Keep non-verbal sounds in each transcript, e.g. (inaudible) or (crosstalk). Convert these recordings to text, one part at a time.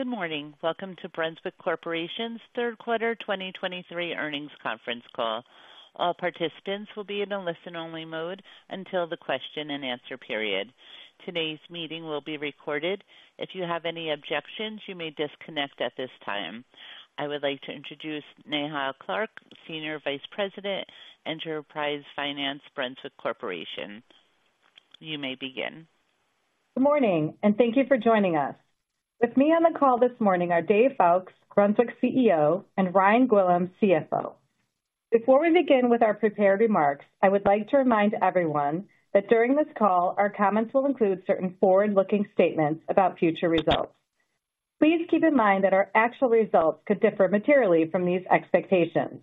Good morning. Welcome to Brunswick Corporation's third quarter 2023 earnings conference call. All participants will be in a listen-only mode until the question and answer period. Today's meeting will be recorded. If you have any objections, you may disconnect at this time. I would like to introduce Neha Clark, Senior Vice President, Enterprise Finance, Brunswick Corporation. You may begin. Good morning, and thank you for joining us. With me on the call this morning are Dave Foulkes, Brunswick CEO, and Ryan Gwillim, CFO. Before we begin with our prepared remarks, I would like to remind everyone that during this call, our comments will include certain forward-looking statements about future results. Please keep in mind that our actual results could differ materially from these expectations.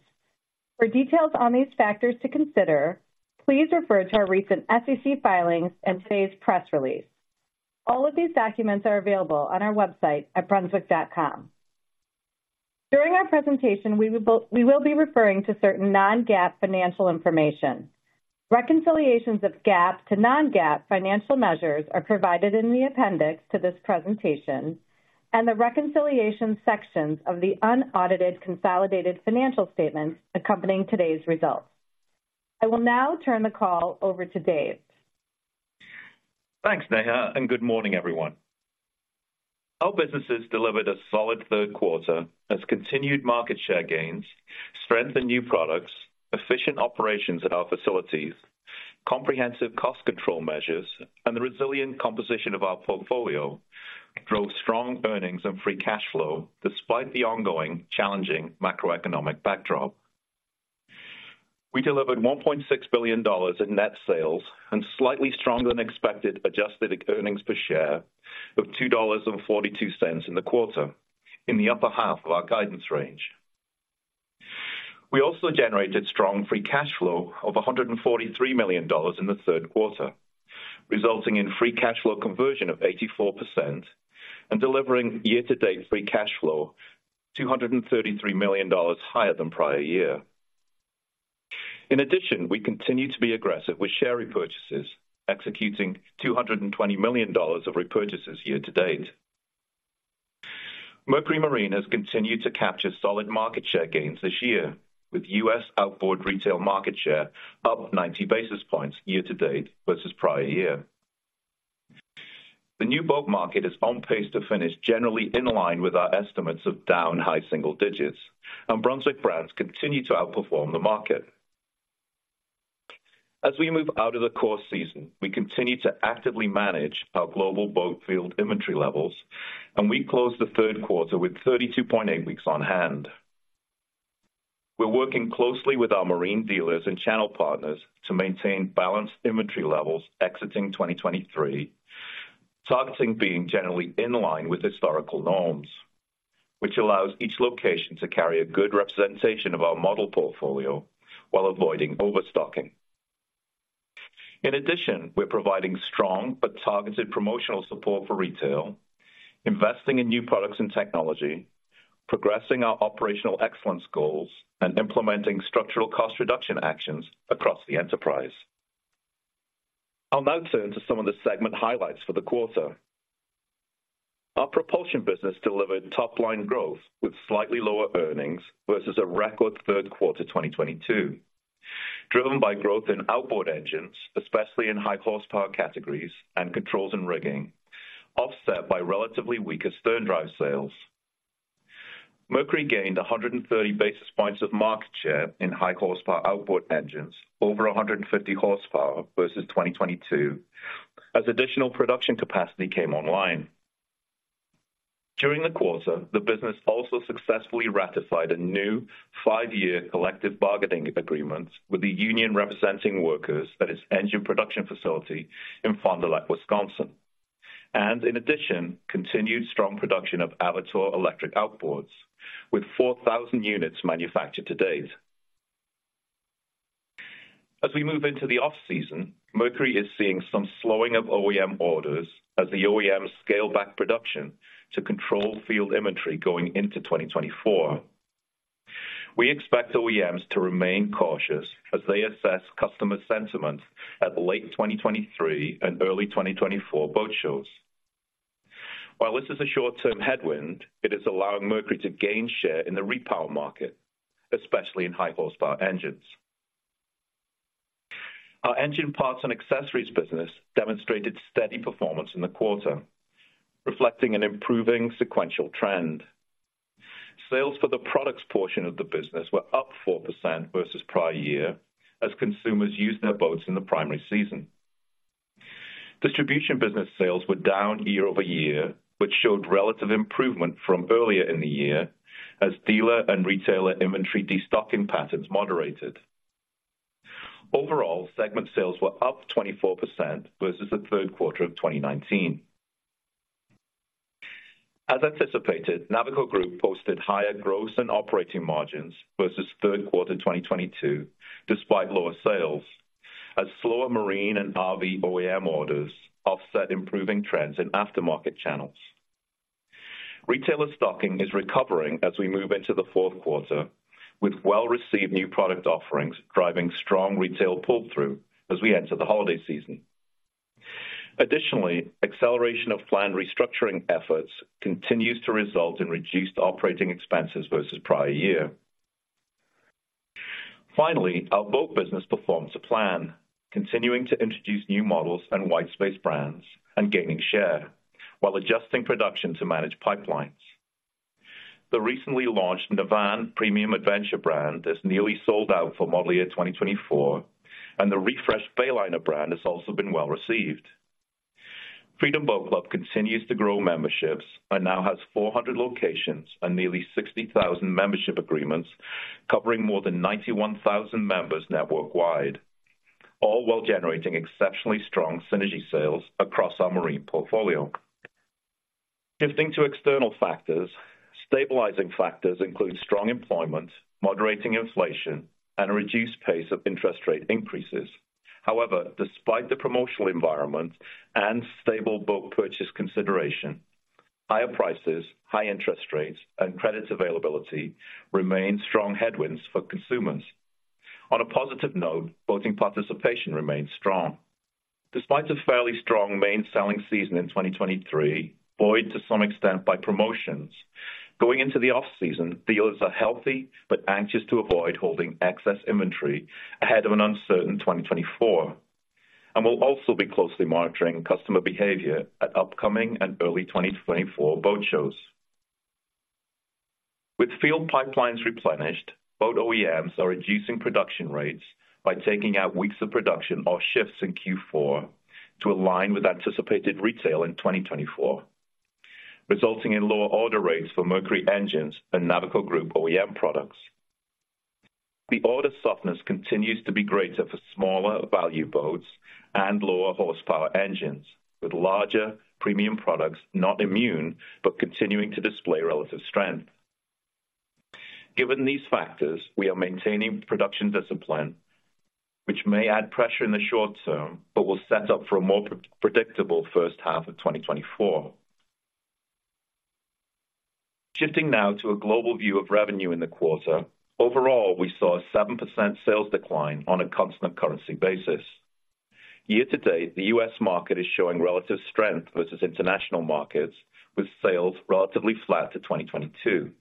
For details on these factors to consider, please refer to our recent SEC filings and today's press release. All of these documents are available on our website at brunswick.com. During our presentation, we will be referring to certain non-GAAP financial information. Reconciliations of GAAP to non-GAAP financial measures are provided in the appendix to this presentation and the reconciliation sections of the unaudited consolidated financial statements accompanying today's results. I will now turn the call over to Dave. Thanks, Neha, and good morning, everyone. Our businesses delivered a solid third quarter as continued market share gains, strength in new products, efficient operations at our facilities, comprehensive cost control measures, and the resilient composition of our portfolio drove strong earnings and free cash flow, despite the ongoing challenging macroeconomic backdrop. We delivered $1.6 billion in net sales and slightly stronger than expected adjusted earnings per share of $2.42 in the quarter, in the upper half of our guidance range. We also generated strong free cash flow of $143 million in the third quarter, resulting in free cash flow conversion of 84% and delivering year-to-date free cash flow $233 million higher than prior year. In addition, we continue to be aggressive with share repurchases, executing $220 million of repurchases year to date. Mercury Marine has continued to capture solid market share gains this year, with U.S. outboard retail market share up 90 basis points year to date versus prior year. The new boat market is on pace to finish, generally in line with our estimates of down high single digits, and Brunswick brands continue to outperform the market. As we move out of the core season, we continue to actively manage our global boat field inventory levels, and we closed the third quarter with 32.8 weeks on hand. We're working closely with our marine dealers and channel partners to maintain balanced inventory levels exiting 2023, targeting being generally in line with historical norms, which allows each location to carry a good representation of our model portfolio while avoiding overstocking. In addition, we're providing strong but targeted promotional support for retail, investing in new products and technology, progressing our operational excellence goals, and implementing structural cost reduction actions across the enterprise. I'll now turn to some of the segment highlights for the quarter. Our propulsion business delivered top-line growth with slightly lower earnings versus a record third quarter 2022, driven by growth in outboard engines, especially in high horsepower categories and controls and rigging, offset by relatively weaker stern drive sales. Mercury gained 130 basis points of market share in high horsepower outboard engines over 150 horsepower versus 2022 as additional production capacity came online. During the quarter, the business also successfully ratified a new five-year collective bargaining agreement with the union representing workers at its engine production facility in Fond du Lac, Wisconsin. In addition, continued strong production of Avator electric outboards, with 4,000 units manufactured to date. As we move into the off-season, Mercury is seeing some slowing of OEM orders as the OEMs scale back production to control field inventory going into 2024. We expect OEMs to remain cautious as they assess customer sentiment at late 2023 and early 2024 boat shows. While this is a short-term headwind, it is allowing Mercury to gain share in the repower market, especially in high horsepower engines. Our engine parts and accessories business demonstrated steady performance in the quarter, reflecting an improving sequential trend. Sales for the products portion of the business were up 4% versus prior year as consumers used their boats in the primary season. Distribution business sales were down year-over-year, which showed relative improvement from earlier in the year as dealer and retailer inventory destocking patterns moderated. Overall, segment sales were up 24% versus the third quarter of 2019. As anticipated, Navico Group posted higher gross and operating margins versus third quarter 2022, despite lower sales, as slower marine and RV OEM orders offset improving trends in aftermarket channels. Retailer stocking is recovering as we move into the fourth quarter, with well-received new product offerings, driving strong retail pull-through as we enter the holiday season.... Additionally, acceleration of planned restructuring efforts continues to result in reduced operating expenses versus prior year. Finally, our boat business performs to plan, continuing to introduce new models and whitespace brands and gaining share while adjusting production to manage pipelines. The recently launched Navan premium adventure brand is nearly sold out for model year 2024, and the refreshed Bayliner brand has also been well received. Freedom Boat Club continues to grow memberships and now has 400 locations and nearly 60,000 membership agreements, covering more than 91,000 members network-wide, all while generating exceptionally strong synergy sales across our marine portfolio. Shifting to external factors, stabilizing factors include strong employment, moderating inflation, and a reduced pace of interest rate increases. However, despite the promotional environment and stable boat purchase consideration, higher prices, high interest rates, and credit availability remain strong headwinds for consumers. On a positive note, boating participation remains strong. Despite a fairly strong main selling season in 2023, buoyed to some extent by promotions, going into the off-season, dealers are healthy but anxious to avoid holding excess inventory ahead of an uncertain 2024, and we'll also be closely monitoring customer behavior at upcoming and early 2024 boat shows. With field pipelines replenished, boat OEMs are reducing production rates by taking out weeks of production or shifts in Q4 to align with anticipated retail in 2024, resulting in lower order rates for Mercury engines and Navico Group OEM products. The order softness continues to be greater for smaller value boats and lower horsepower engines, with larger premium products not immune, but continuing to display relative strength. Given these factors, we are maintaining production discipline, which may add pressure in the short term, but will set up for a more predictable first half of 2024. Shifting now to a global view of revenue in the quarter. Overall, we saw a 7% sales decline on a constant currency basis. Year to date, the U.S. market is showing relative strength versus international markets, with sales relatively flat to 2022.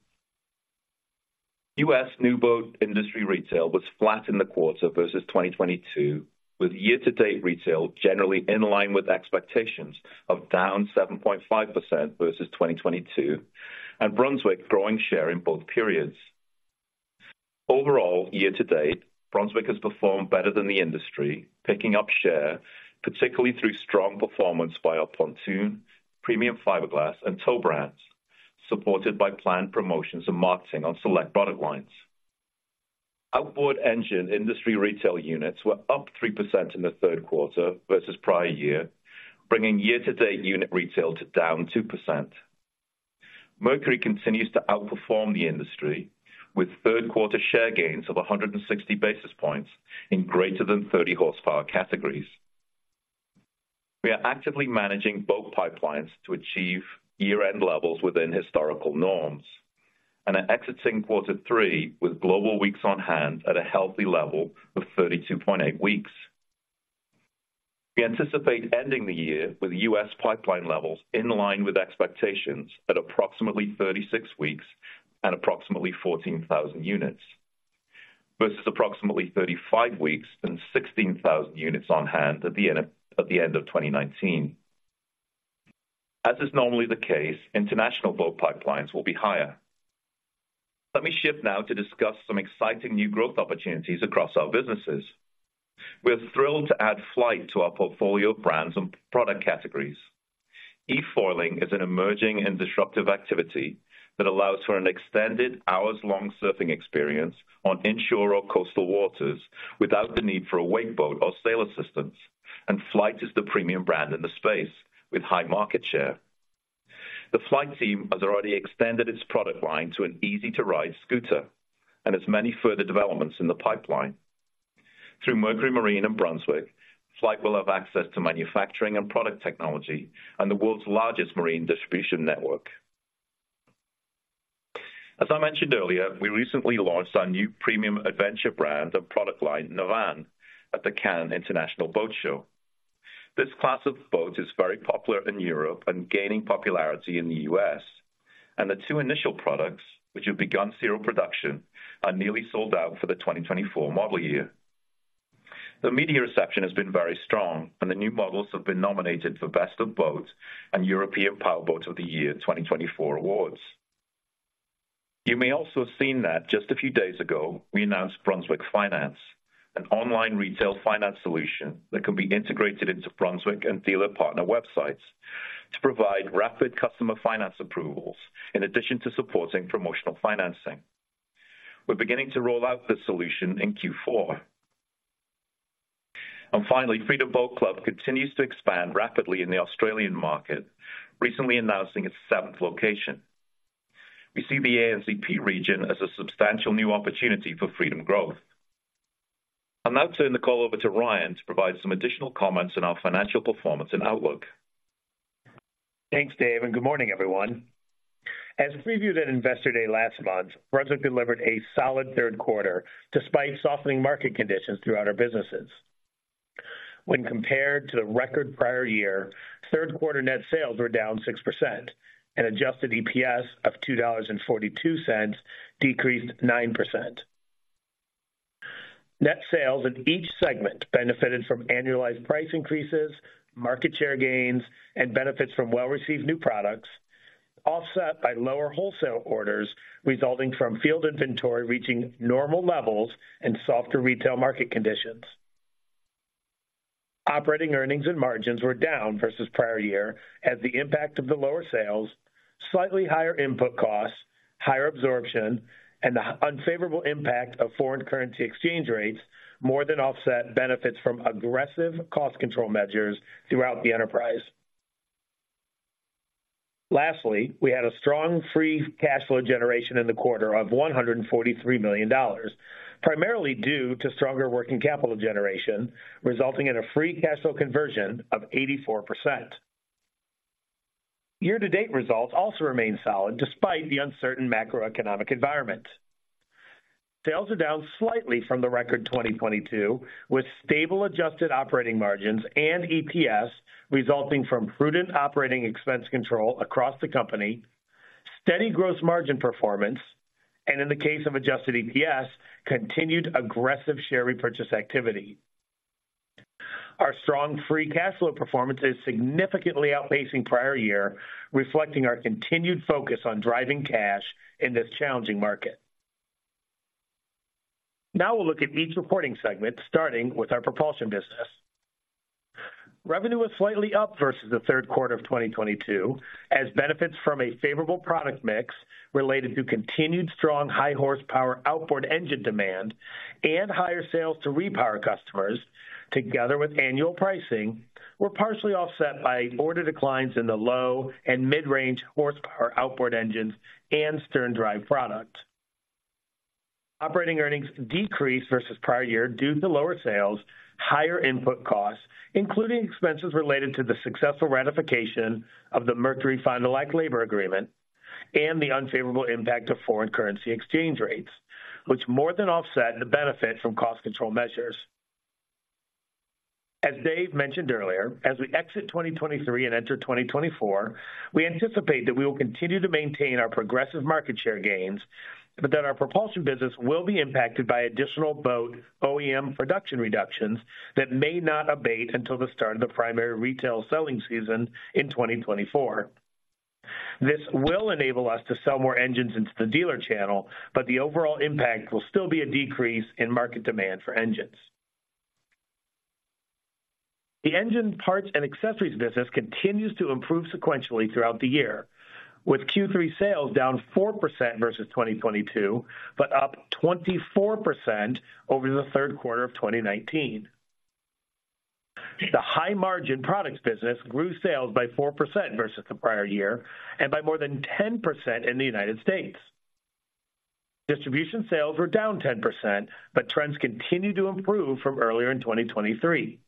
U.S. new boat industry retail was flat in the quarter versus 2022, with year-to-date retail generally in line with expectations of down 7.5% versus 2022, and Brunswick growing share in both periods. Overall, year to date, Brunswick has performed better than the industry, picking up share, particularly through strong performance by our pontoon, premium fiberglass, and tow brands, supported by planned promotions and marketing on select product lines. Outboard engine industry retail units were up 3% in the third quarter versus prior year, bringing year-to-date unit retail to down 2%. Mercury continues to outperform the industry, with third quarter share gains of 160 basis points in greater than 30 horsepower categories. We are actively managing boat pipelines to achieve year-end levels within historical norms and are exiting quarter three with global weeks on hand at a healthy level of 32.8 weeks. We anticipate ending the year with U.S. pipeline levels in line with expectations at approximately 36 weeks and approximately 14,000 units, versus approximately 35 weeks and 16,000 units on hand at the end of, at the end of 2019. As is normally the case, international boat pipelines will be higher. Let me shift now to discuss some exciting new growth opportunities across our businesses. We're thrilled to add Flite to our portfolio of brands and product categories. E-foiling is an emerging and disruptive activity that allows for an extended, hours-long surfing experience on inshore or coastal waters without the need for a wake boat or sail assistance, and Flite is the premium brand in the space with high market share. The Flite team has already extended its product line to an easy-to-ride scooter and has many further developments in the pipeline. Through Mercury Marine and Brunswick, Flite will have access to manufacturing and product technology and the world's largest marine distribution network. As I mentioned earlier, we recently launched our new premium adventure brand and product line, Navan, at the Cannes International Boat Show. This class of boats is very popular in Europe and gaining popularity in the U.S., and the two initial products, which have begun serial production, are nearly sold out for the 2024 model year. The media reception has been very strong, and the new models have been nominated for Best of Boats and European Powerboat of the Year 2024 awards. You may also have seen that just a few days ago, we announced Brunswick Finance, an online retail finance solution that can be integrated into Brunswick and dealer partner websites to provide rapid customer finance approvals in addition to supporting promotional financing. We're beginning to roll out this solution in Q4. Finally, Freedom Boat Club continues to expand rapidly in the Australian market, recently announcing its seventh location. We see the ANZP region as a substantial new opportunity for Freedom growth. I'll now turn the call over to Ryan to provide some additional comments on our financial performance and outlook. Thanks, Dave, and good morning, everyone. As previewed at Investor Day last month, Brunswick delivered a solid third quarter despite softening market conditions throughout our businesses. When compared to the record prior year, third quarter net sales were down 6% and Adjusted EPS of $2.42 decreased 9%. Net sales in each segment benefited from annualized price increases, market share gains, and benefits from well-received new products, offset by lower wholesale orders, resulting from field inventory reaching normal levels and softer retail market conditions. Operating earnings and margins were down versus prior year as the impact of the lower sales, slightly higher input costs, higher absorption, and the unfavorable impact of foreign currency exchange rates more than offset benefits from aggressive cost control measures throughout the enterprise. Lastly, we had a strong free cash flow generation in the quarter of $143 million, primarily due to stronger working capital generation, resulting in a free cash flow conversion of 84%. Year-to-date results also remain solid despite the uncertain macroeconomic environment. Sales are down slightly from the record 2022, with stable adjusted operating margins and EPS resulting from prudent operating expense control across the company, steady gross margin performance, and in the case of adjusted EPS, continued aggressive share repurchase activity. Our strong free cash flow performance is significantly outpacing prior year, reflecting our continued focus on driving cash in this challenging market. Now we'll look at each reporting segment, starting with our propulsion business. Revenue was slightly up versus the third quarter of 2022, as benefits from a favorable product mix related to continued strong high horsepower outboard engine demand and higher sales to repower customers, together with annual pricing, were partially offset by order declines in the low and mid-range horsepower outboard engines and stern drive product. Operating earnings decreased versus prior year due to lower sales, higher input costs, including expenses related to the successful ratification of the Mercury Fond du Lac labor agreement and the unfavorable impact of foreign currency exchange rates, which more than offset the benefit from cost control measures. As Dave mentioned earlier, as we exit 2023 and enter 2024, we anticipate that we will continue to maintain our progressive market share gains, but that our propulsion business will be impacted by additional boat OEM production reductions that may not abate until the start of the primary retail selling season in 2024. This will enable us to sell more engines into the dealer channel, but the overall impact will still be a decrease in market demand for engines. The engine parts and accessories business continues to improve sequentially throughout the year, with Q3 sales down 4% versus 2022, but up 24% over the third quarter of 2019. The high margin products business grew sales by 4% versus the prior year and by more than 10% in the United States. Distribution sales were down 10%, but trends continue to improve from earlier in 2023.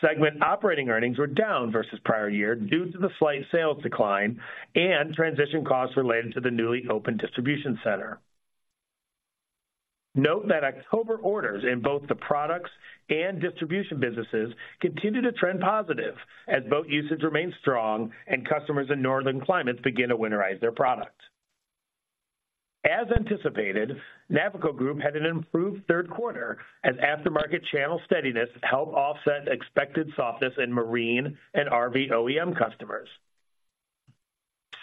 Segment operating earnings were down versus prior year due to the slight sales decline and transition costs related to the newly opened distribution center. Note that October orders in both the products and distribution businesses continue to trend positive as boat usage remains strong and customers in northern climates begin to winterize their product. As anticipated, Navico Group had an improved third quarter as aftermarket channel steadiness helped offset expected softness in marine and RV OEM customers.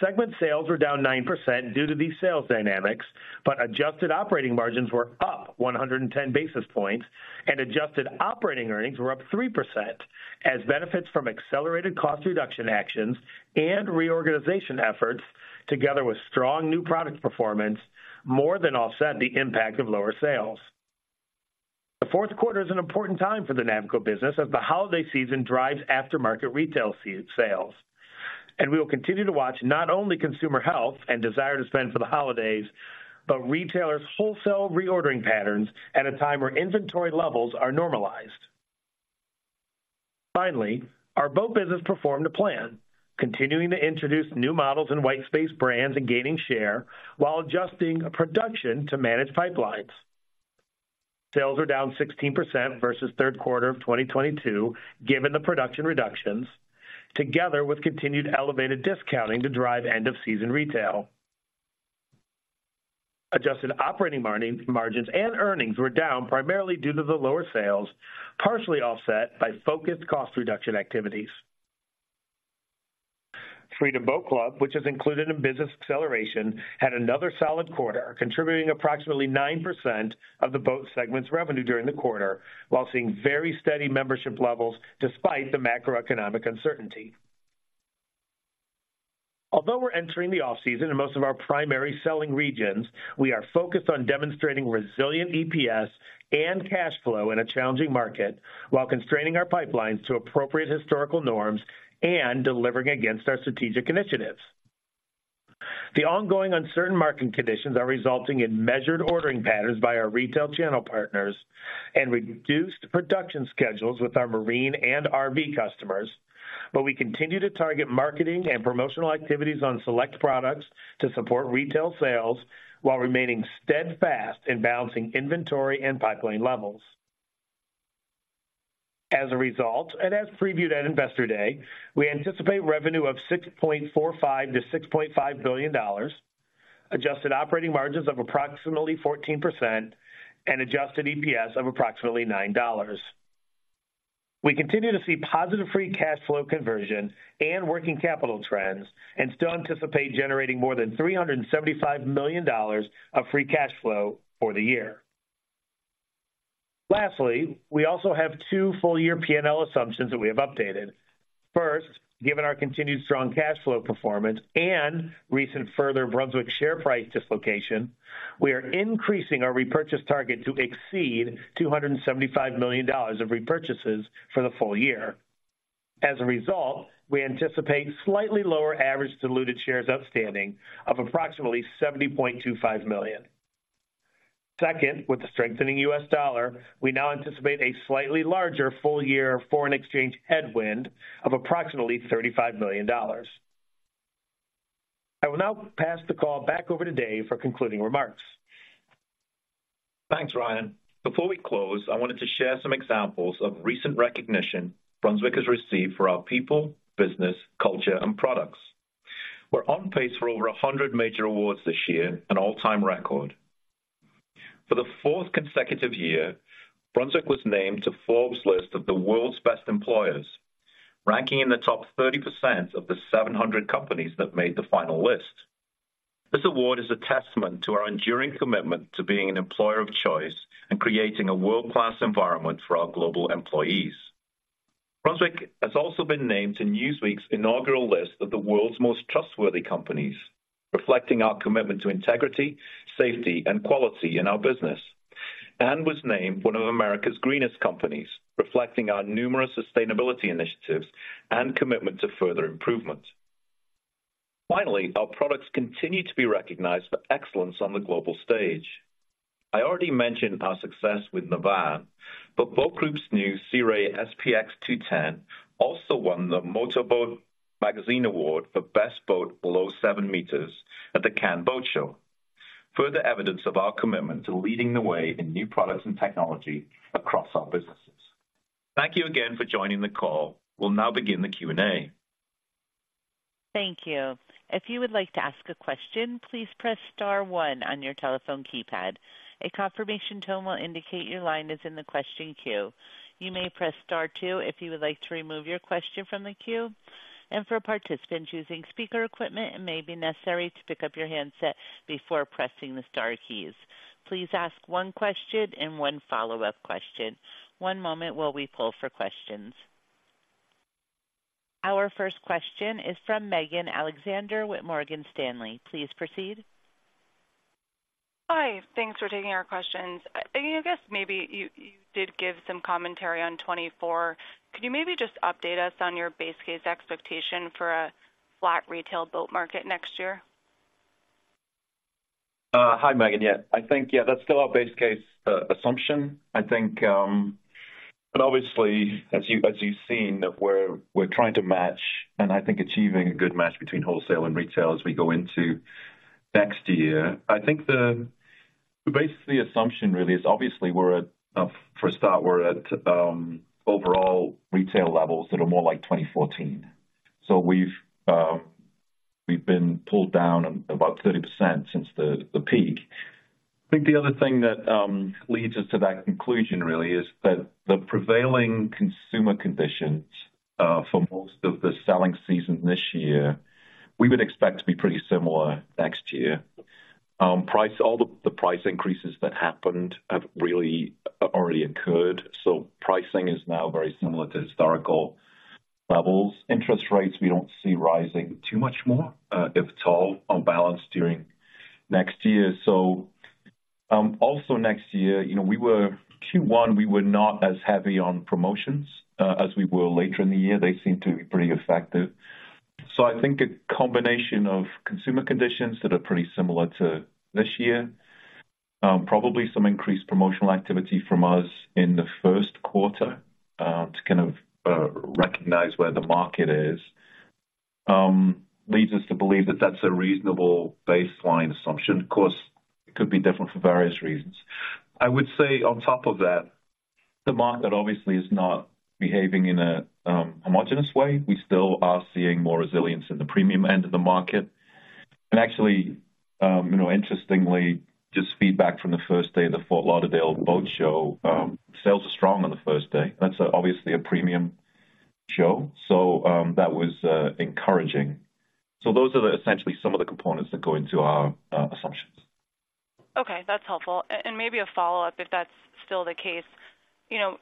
Segment sales were down 9% due to these sales dynamics, but adjusted operating margins were up 110 basis points, and adjusted operating earnings were up 3%, as benefits from accelerated cost reduction actions and reorganization efforts, together with strong new product performance, more than offset the impact of lower sales. The fourth quarter is an important time for the Navico business as the holiday season drives aftermarket retail sales, and we will continue to watch not only consumer health and desire to spend for the holidays, but retailers' wholesale reordering patterns at a time where inventory levels are normalized. Finally, our boat business performed to plan, continuing to introduce new models in whitespace brands and gaining share while adjusting production to manage pipelines. Sales are down 16% versus third quarter of 2022, given the production reductions, together with continued elevated discounting to drive end-of-season retail. Adjusted operating margins and earnings were down, primarily due to the lower sales, partially offset by focused cost reduction activities. Freedom Boat Club, which is included in Business Acceleration, had another solid quarter, contributing approximately 9% of the boat segment's revenue during the quarter, while seeing very steady membership levels despite the macroeconomic uncertainty. Although we're entering the off-season in most of our primary selling regions, we are focused on demonstrating resilient EPS and cash flow in a challenging market, while constraining our pipelines to appropriate historical norms and delivering against our strategic initiatives.... The ongoing uncertain market conditions are resulting in measured ordering patterns by our retail channel partners and reduced production schedules with our marine and RV customers. But we continue to target marketing and promotional activities on select products to support retail sales, while remaining steadfast in balancing inventory and pipeline levels. As a result, and as previewed at Investor Day, we anticipate revenue of $6.45 billion-$6.5 billion, Adjusted operating margins of approximately 14% and Adjusted EPS of approximately $9. We continue to see positive free cash flow conversion and working capital trends and still anticipate generating more than $375 million of free cash flow for the year. Lastly, we also have two full year PNL assumptions that we have updated. First, given our continued strong cash flow performance and recent further Brunswick share price dislocation, we are increasing our repurchase target to exceed $275 million of repurchases for the full year. As a result, we anticipate slightly lower average diluted shares outstanding of approximately 70.25 million. Second, with the strengthening U.S. dollar, we now anticipate a slightly larger full year foreign exchange headwind of approximately $35 million. I will now pass the call back over to Dave for concluding remarks. Thanks, Ryan. Before we close, I wanted to share some examples of recent recognition Brunswick has received for our people, business, culture and products. We're on pace for over 100 major awards this year, an all-time record. For the fourth consecutive year, Brunswick was named to Forbes's list of the World's Best Employers, ranking in the top 30% of the 700 companies that made the final list. This award is a testament to our enduring commitment to being an employer of choice and creating a world-class environment for our global employees. Brunswick has also been named to Newsweek's inaugural list of the World's Most Trustworthy Companies, reflecting our commitment to integrity, safety, and quality in our business, and was named one of America's Greenest Companies, reflecting our numerous sustainability initiatives and commitment to further improvement. Finally, our products continue to be recognized for excellence on the global stage. I already mentioned our success with Navan, but Boat Group's new Sea Ray SPX 210 also won the Moteur Boat Magazine Award for Best Boat Below Seven Meters at the Cannes Boat Show. Further evidence of our commitment to leading the way in new products and technology across our businesses. Thank you again for joining the call. We'll now begin the Q&A. Thank you. If you would like to ask a question, please press star one on your telephone keypad. A confirmation tone will indicate your line is in the question queue. You may press star two if you would like to remove your question from the queue, and for participants using speaker equipment, it may be necessary to pick up your handset before pressing the star keys. Please ask one question and one follow-up question. One moment while we pull for questions. Our first question is from Megan Alexander with Morgan Stanley. Please proceed. Hi. Thanks for taking our questions. I guess maybe you did give some commentary on 2024. Could you maybe just update us on your base case expectation for a flat retail boat market next year? Hi, Megan. Yeah, I think, yeah, that's still our base case assumption. I think, but obviously, as you've seen, we're trying to match and I think achieving a good match between wholesale and retail as we go into next year. I think the base assumption really is obviously we're at, for a start, we're at overall retail levels that are more like 2014. So we've been pulled down about 30% since the peak. I think the other thing that leads us to that conclusion really is that the prevailing consumer conditions for most of the selling seasons this year, we would expect to be pretty similar next year. All the price increases that happened have really already occurred, so pricing is now very similar to historical levels. Interest rates, we don't see rising too much more, if at all, on balance during next year. So, also next year, you know, we were, Q1 we were not as heavy on promotions, as we were later in the year. They seemed to be pretty effective. So I think a combination of consumer conditions that are pretty similar to this year, probably some increased promotional activity from us in the first quarter, to kind of, recognize where the market is, leads us to believe that that's a reasonable baseline assumption. Of course, it could be different for various reasons. I would say on top of that, the market obviously is not behaving in a, homogeneous way. We still are seeing more resilience in the premium end of the market. Actually, you know, interestingly, just feedback from the first day of the Fort Lauderdale Boat Show, sales are strong on the first day. That's obviously a premium show, so that was encouraging. So those are essentially some of the components that go into our assumptions. Okay, that's helpful. And maybe a follow-up, if that's still the case. You know,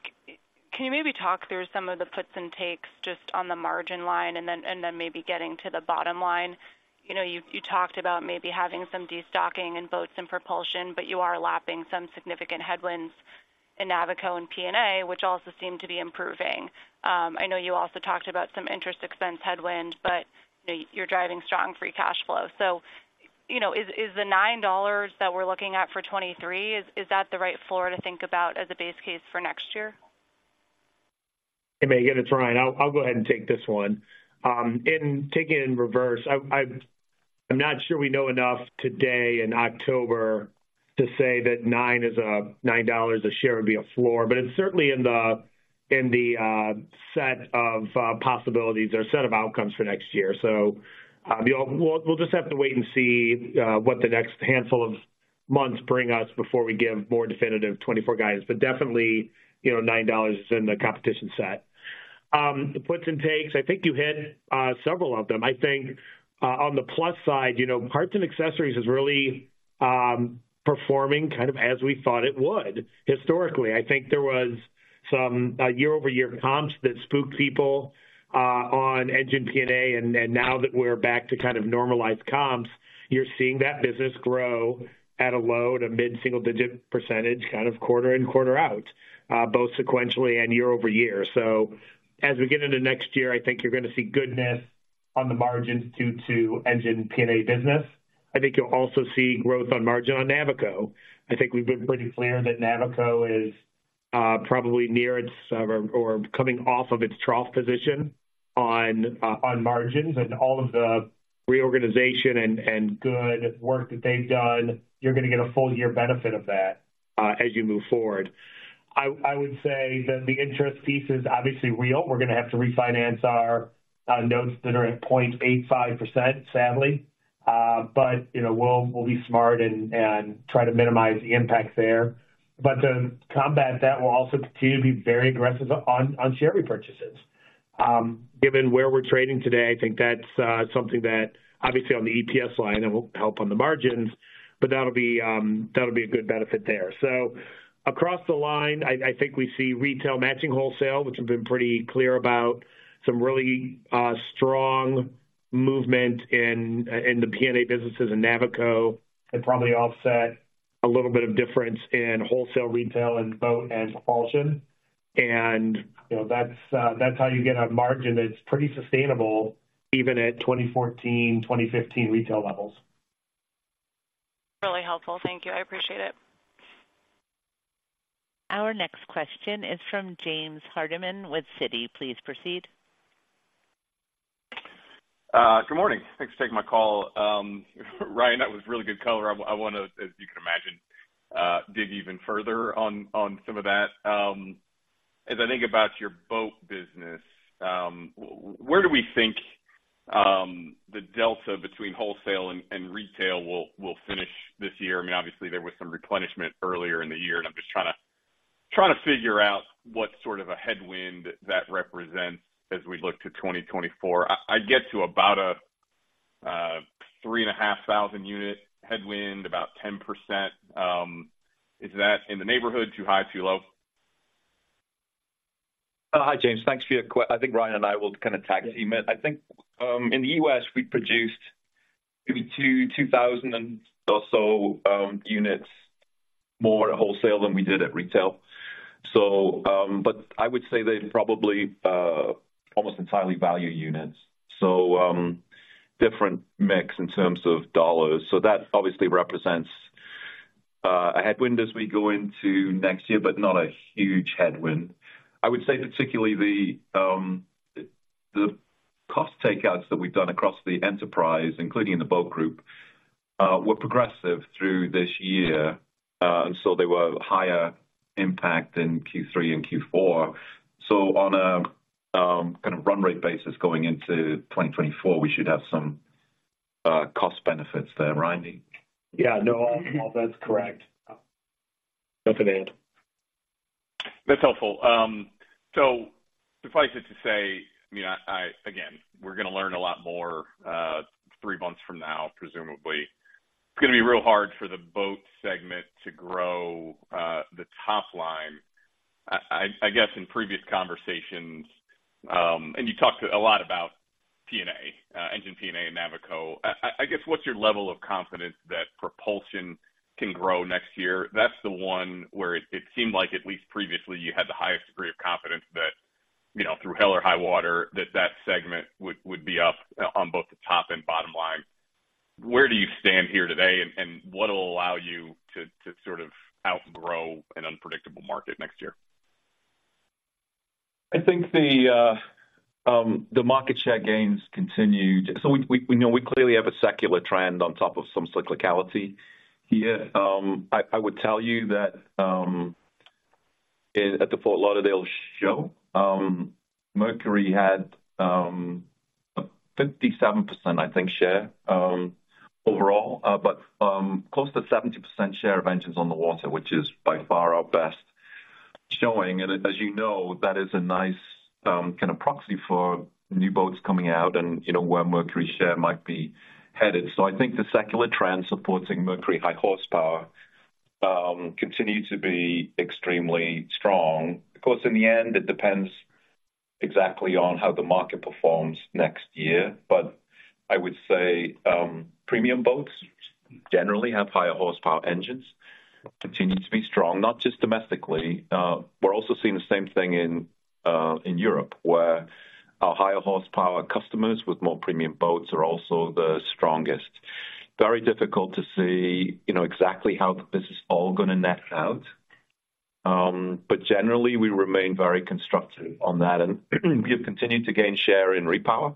can you maybe talk through some of the puts and takes just on the margin line and then maybe getting to the bottom line? You know, you talked about maybe having some destocking in boats and propulsion, but you are lapping some significant headwinds... in Navico and P&A, which also seem to be improving. I know you also talked about some interest expense headwind, but, you know, you're driving strong free cash flow. So, you know, is the $9 that we're looking at for 2023, is that the right floor to think about as a base case for next year? Hey, Megan, it's Ryan. I'll go ahead and take this one and take it in reverse. I'm not sure we know enough today in October to say that $9 a share would be a floor, but it's certainly in the set of possibilities or set of outcomes for next year. So, we'll just have to wait and see what the next handful of months bring us before we give more definitive 2024 guidance. But definitely, you know, $9 is in the competition set. The puts and takes, I think you hit several of them. I think on the plus side, you know, parts and accessories is really performing kind of as we thought it would. Historically, I think there was some year-over-year comps that spooked people on engine P&A, and now that we're back to kind of normalized comps, you're seeing that business grow at a low- to mid-single-digit %, kind of quarter in, quarter out, both sequentially and year-over-year. So as we get into next year, I think you're going to see goodness on the margins due to engine P&A business. I think you'll also see growth on margin on Navico. I think we've been pretty clear that Navico is probably near its or coming off of its trough position on margins and all of the reorganization and good work that they've done, you're going to get a full year benefit of that as you move forward. I would say that the interest piece is obviously real. We're going to have to refinance our notes that are at 0.85%, sadly. You know, we'll be smart and try to minimize the impact there. To combat that, we'll also continue to be very aggressive on share repurchases. Given where we're trading today, I think that's something that obviously on the EPS line, it will help on the margins, but that'll be a good benefit there. Across the line, I think we see retail matching wholesale, which has been pretty clear about some really strong movement in the P&A businesses and Navico, and probably offset a little bit of difference in wholesale, retail, and boat and propulsion. You know, that's how you get a margin that's pretty sustainable, even at 2014, 2015 retail levels. Really helpful. Thank you. I appreciate it. Our next question is from James Hardiman with Citi. Please proceed. Good morning. Thanks for taking my call. Ryan, that was really good color. I want to, as you can imagine, dig even further on some of that. As I think about your boat business, where do we think the delta between wholesale and retail will finish this year? I mean, obviously, there was some replenishment earlier in the year, and I'm just trying to figure out what sort of a headwind that represents as we look to 2024. I'd get to about a 3,500-unit headwind, about 10%. Is that in the neighborhood, too high, too low? Hi, James. Thanks for your question. I think Ryan and I will kind of tag team it. I think in the U.S., we produced maybe 2,000 or so units more at wholesale than we did at retail. So but I would say they're probably almost entirely value units, so different mix in terms of dollars. So that obviously represents a headwind as we go into next year, but not a huge headwind. I would say particularly the cost takeouts that we've done across the enterprise, including in the Boat Group, were progressive through this year, and so they were higher impact in Q3 and Q4. So on a kind of run rate basis, going into 2024, we should have some cost benefits there. Ryan? Yeah. No, that's correct. Nothing to add. That's helpful. So suffice it to say, I mean, again, we're going to learn a lot more, three months from now, presumably. It's going to be real hard for the boat segment to grow, the top line. I guess in previous conversations, and you talked a lot about P&A, engine P&A and Navico. I guess, what's your level of confidence that propulsion can grow next year? That's the one where it seemed like at least previously, you had the highest degree of confidence that, you know, through hell or high water, that that segment would be up on both the top and bottom line. Where do you stand here today, and what will allow you to sort of outgrow an unpredictable market next year? I think the market share gains continued. So we know we clearly have a secular trend on top of some cyclicality here. I would tell you that at the Fort Lauderdale show, Mercury had a 57%, I think, share overall, but close to 70% share of engines on the water, which is by far our best showing. And as you know, that is a nice kind of proxy for new boats coming out and you know, where Mercury's share might be headed. So I think the secular trend supporting Mercury high horsepower continue to be extremely strong. Of course, in the end, it depends exactly on how the market performs next year, but I would say premium boats generally have higher horsepower engines, continue to be strong, not just domestically. We're also seeing the same thing in Europe, where our higher horsepower customers with more premium boats are also the strongest. Very difficult to see, you know, exactly how this is all going to net out. But generally, we remain very constructive on that, and we have continued to gain share in repower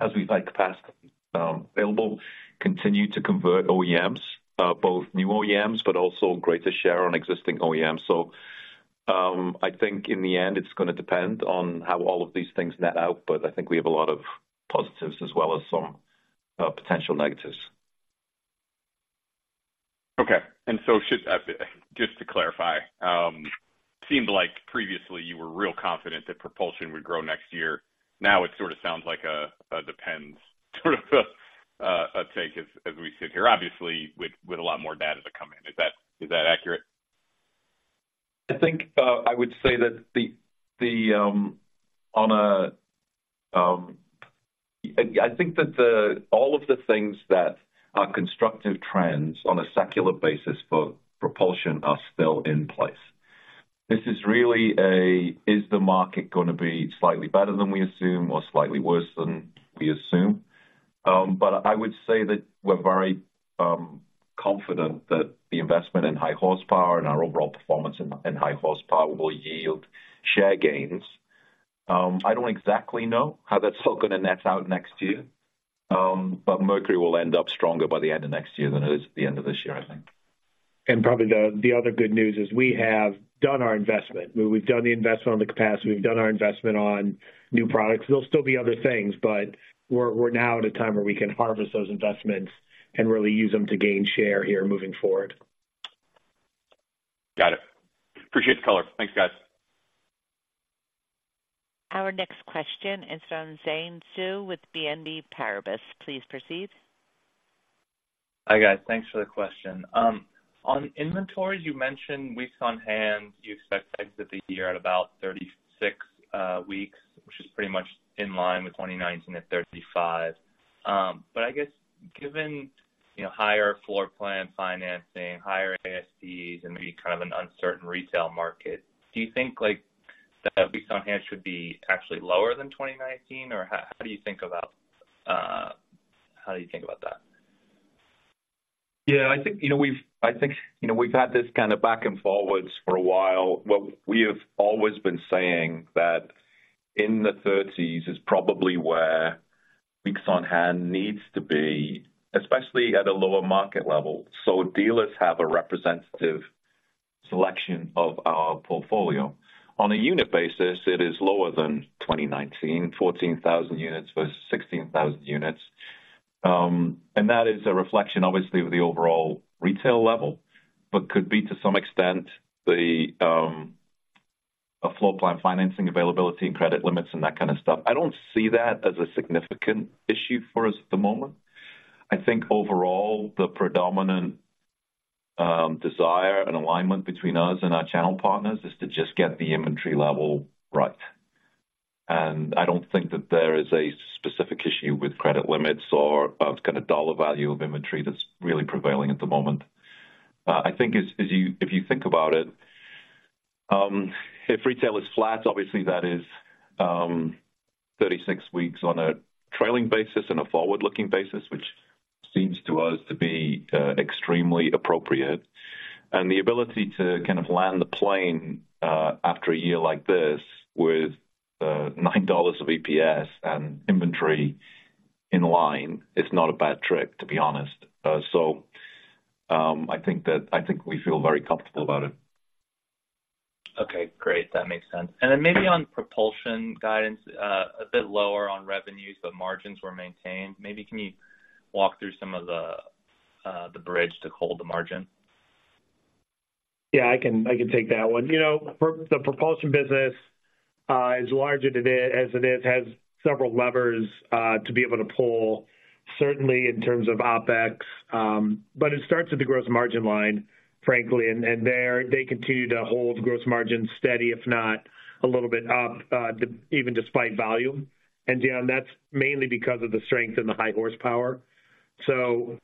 as we've had capacity available, continue to convert OEMs, both new OEMs, but also greater share on existing OEMs. I think in the end, it's going to depend on how all of these things net out, but I think we have a lot of positives as well as some potential negatives. Okay. Just to clarify, seemed like previously you were real confident that propulsion would grow next year. Now it sort of sounds like it depends, sort of a take as we sit here, obviously with a lot more data to come in. Is that accurate? I think I would say that all of the things that are constructive trends on a secular basis for propulsion are still in place. This is really is the market going to be slightly better than we assume or slightly worse than we assume? But I would say that we're very confident that the investment in high horsepower and our overall performance in high horsepower will yield share gains. I don't exactly know how that's all going to net out next year, but Mercury will end up stronger by the end of next year than it is at the end of this year, I think. Probably the other good news is we have done our investment. We've done the investment on the capacity, we've done our investment on new products. There'll still be other things, but we're now at a time where we can harvest those investments and really use them to gain share here moving forward. Got it. Appreciate the color. Thanks, guys. Our next question is from Xian Siew with BNP Paribas. Please proceed. Hi, guys. Thanks for the question. On inventory, you mentioned weeks on hand, you expect to exit the year at about 36 weeks, which is pretty much in line with 2019 at 35. But I guess given, you know, higher floor plan financing, higher ASPs, and maybe kind of an uncertain retail market, do you think, like, the weeks on hand should be actually lower than 2019? Or how, how do you think about, how do you think about that? Yeah, I think, you know, we've had this kind of back and forwards for a while. What we have always been saying is that in the 30s is probably where weeks on hand needs to be, especially at a lower market level, so dealers have a representative selection of our portfolio. On a unit basis, it is lower than 2019, 14,000 units versus 16,000 units. That is a reflection, obviously, of the overall retail level, but could be, to some extent, a floor plan, financing, availability, and credit limits and that kind of stuff. I don't see that as a significant issue for us at the moment. I think overall, the predominant desire and alignment between us and our channel partners is to just get the inventory level right. I don't think that there is a specific issue with credit limits or kind of dollar value of inventory that's really prevailing at the moment. I think as you—if you think about it, if retail is flat, obviously that is 36 weeks on a trailing basis and a forward-looking basis, which seems to us to be extremely appropriate. And the ability to kind of land the plane after a year like this with $9 of EPS and inventory in line is not a bad trick, to be honest. So, I think we feel very comfortable about it. Okay, great. That makes sense. And then maybe on propulsion guidance, a bit lower on revenues, but margins were maintained. Maybe can you walk through some of the, the bridge to hold the margin? Yeah, I can, I can take that one. You know, for the propulsion business is larger than it is, has several levers to be able to pull, certainly in terms of OpEx, but it starts with the gross margin line, frankly, and there they continue to hold gross margin steady, if not a little bit up, even despite volume. And, yeah, that's mainly because of the strength in the high horsepower. So,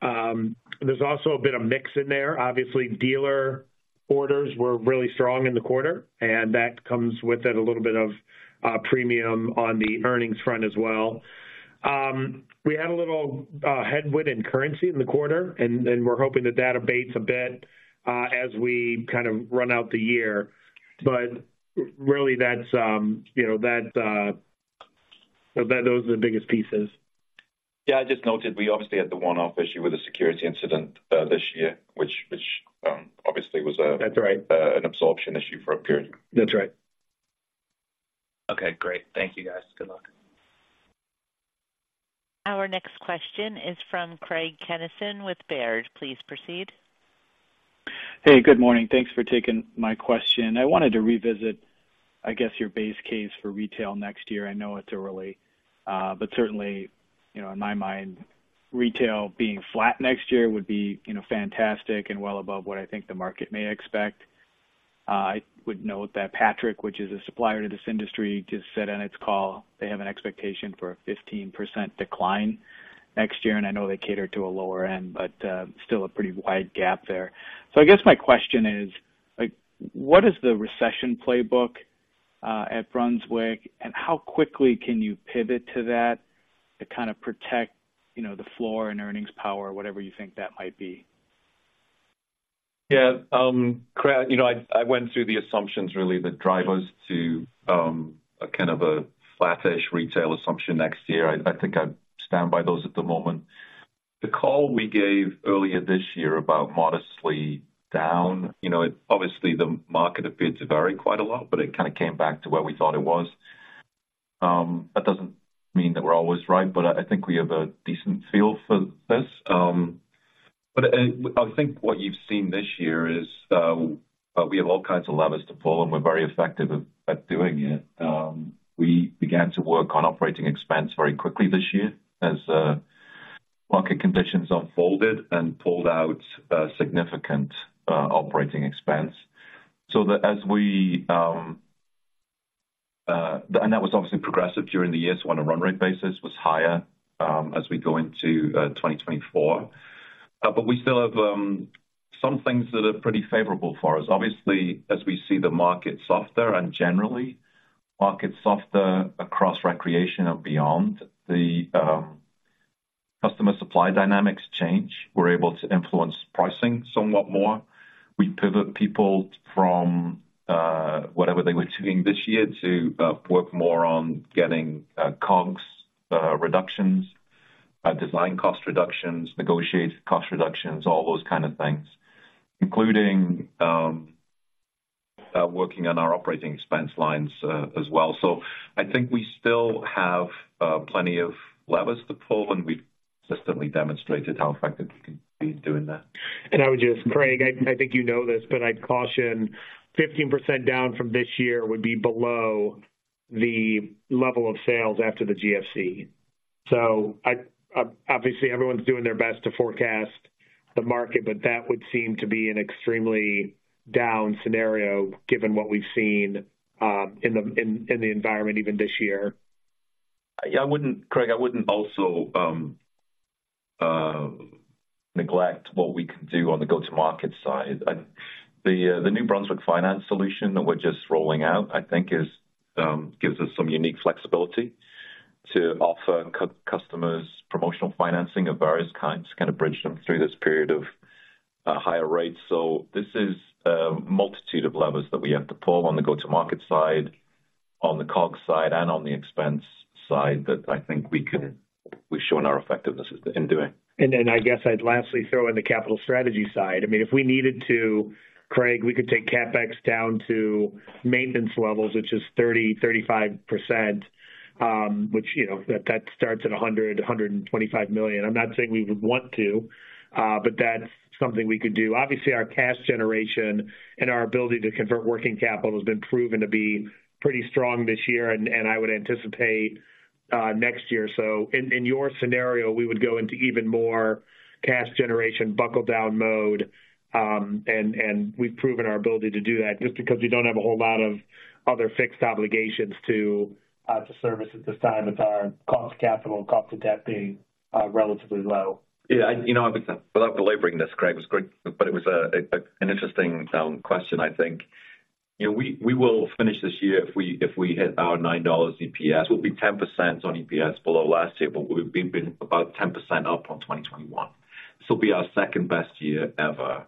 there's also a bit of mix in there. Obviously, dealer orders were really strong in the quarter, and that comes with it a little bit of premium on the earnings front as well. We had a little headwind in currency in the quarter, and we're hoping that that abates a bit, as we kind of run out the year. But really, that's, you know, that those are the biggest pieces. Yeah, I just noted we obviously had the one-off issue with a security incident this year, which obviously was a- That's right. - an absorption issue for a period. That's right. Okay, great. Thank you, guys. Good luck. Our next question is from Craig Kennison with Baird. Please proceed. Hey, good morning. Thanks for taking my question. I wanted to revisit, I guess, your base case for retail next year. I know it's early, but certainly, you know, in my mind, retail being flat next year would be, you know, fantastic and well above what I think the market may expect. I would note that Patrick, which is a supplier to this industry, just said on its call, they have an expectation for a 15% decline next year, and I know they cater to a lower end, but, still a pretty wide gap there. So I guess my question is, like, what is the recession playbook at Brunswick, and how quickly can you pivot to that to kind of protect, you know, the floor and earnings power, whatever you think that might be? Yeah, Craig, you know, I went through the assumptions, really, the drivers to a kind of a flat-ish retail assumption next year. I think I stand by those at the moment. The call we gave earlier this year about modestly down, you know, obviously, the market appears to vary quite a lot, but it kind of came back to where we thought it was. That doesn't mean that we're always right, but I think we have a decent feel for this. But I think what you've seen this year is we have all kinds of levers to pull, and we're very effective at doing it. We began to work on operating expense very quickly this year as market conditions unfolded and pulled out significant operating expense. So that as we, and that was obviously progressive during the year, so on a run rate basis, was higher, as we go into 2024. But we still have, some things that are pretty favorable for us. Obviously, as we see the market softer and generally market softer across recreation and beyond, the, customer supply dynamics change. We're able to influence pricing somewhat more. We pivot people from, whatever they were doing this year to, work more on getting, COGS, reductions, design cost reductions, negotiate cost reductions, all those kind of things, including, working on our operating expense lines, as well. So I think we still have, plenty of levers to pull, and we've consistently demonstrated how effective we can be in doing that. And I would just, Craig, I think you know this, but I'd caution 15% down from this year would be below the level of sales after the GFC. So, obviously, everyone's doing their best to forecast the market, but that would seem to be an extremely down scenario, given what we've seen in the environment even this year. Yeah, I wouldn't, Craig, I wouldn't also neglect what we can do on the go-to-market side. I, the New Brunswick Finance solution that we're just rolling out, I think gives us some unique flexibility to offer customers promotional financing of various kinds, kind of bridge them through this period of higher rates. This is a multitude of levers that we have to pull on the go-to-market side, on the COGS side, and on the expense side, that I think we can—we've shown our effectiveness in doing. I guess I'd lastly throw in the capital strategy side. I mean, if we needed to, Craig, we could take CapEx down to maintenance levels, which is 30%-35%, which, you know, that starts at $100 million-$125 million. I'm not saying we would want to, but that's something we could do. Obviously, our cash generation and our ability to convert working capital has been proven to be pretty strong this year, and I would anticipate next year. In your scenario, we would go into even more cash generation, buckle-down mode, and we've proven our ability to do that just because we don't have a whole lot of other fixed obligations to service at this time with our cost of capital and cost of debt being relatively low. Yeah, you know, without belaboring this, Craig, it was great, but it was an interesting question, I think. You know, we will finish this year if we hit our $9 EPS. We'll be 10% on EPS below last year, but we've been about 10% up on 2021. This will be our second-best year ever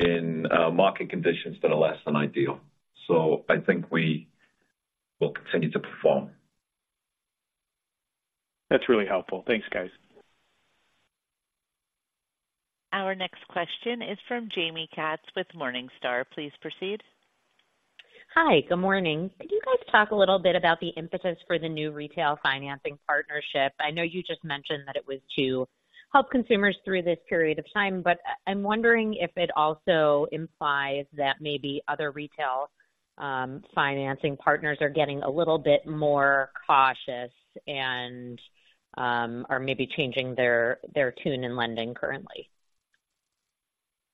in market conditions that are less than ideal. So I think we will continue to perform. That's really helpful. Thanks, guys. Our next question is from Jamie Katz with Morningstar. Please proceed. Hi, good morning. Can you guys talk a little bit about the impetus for the new retail financing partnership? I know you just mentioned that it was to help consumers through this period of time, but I'm wondering if it also implies that maybe other retail financing partners are getting a little bit more cautious and are maybe changing their tune in lending currently.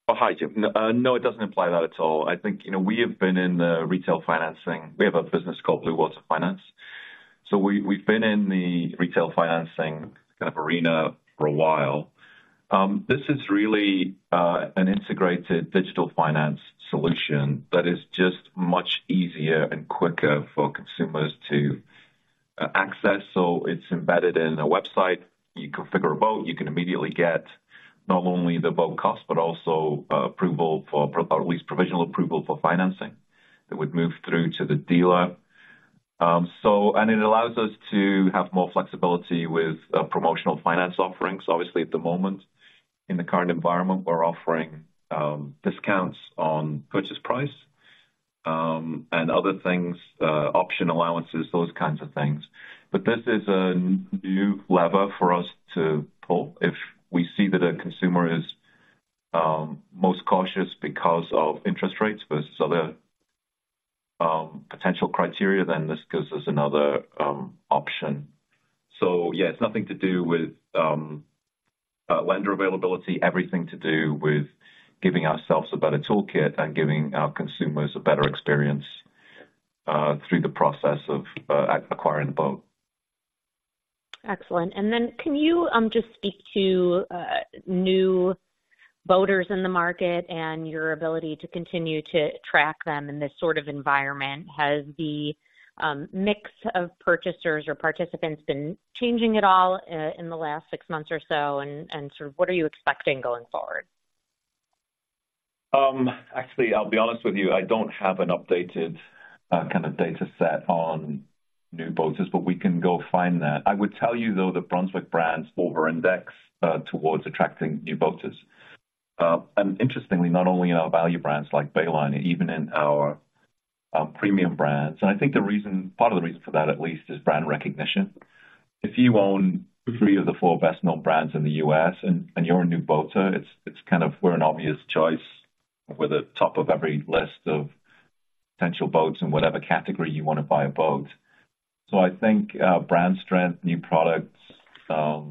Oh, hi, Jamie. No, it doesn't imply that at all. I think, you know, we have been in the retail financing. We have a business called Blue Water Finance, so we, we've been in the retail financing kind of arena for a while. This is really, an integrated digital finance solution that is just much easier and quicker for consumers to, access. So it's embedded in a website. You configure a boat, you can immediately get not only the boat cost, but also, approval for, or at least provisional approval for financing that would move through to the dealer. So and it allows us to have more flexibility with, promotional finance offerings. Obviously, at the moment, in the current environment, we're offering, discounts on purchase price, and other things, option allowances, those kinds of things. But this is a new lever for us to pull. If we see that a consumer is most cautious because of interest rates versus other potential criteria, then this gives us another option. So yeah, it's nothing to do with lender availability, everything to do with giving ourselves a better toolkit and giving our consumers a better experience through the process of acquiring the boat. Excellent. And then can you just speak to new boaters in the market and your ability to continue to attract them in this sort of environment? Has the mix of purchasers or participants been changing at all in the last six months or so? And sort of what are you expecting going forward? Actually, I'll be honest with you, I don't have an updated kind of data set on new boaters, but we can go find that. I would tell you, though, the Brunswick brands over-index towards attracting new boaters. And interestingly, not only in our value brands like Bayliner, even in our premium brands. And I think the reason, part of the reason for that, at least, is brand recognition. If you own three of the four best-known brands in the U.S. and you're a new boater, it's kind of we're an obvious choice. We're the top of every list of potential boats in whatever category you want to buy a boat. So I think brand strength, new products, are